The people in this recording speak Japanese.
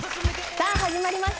さあ始まりました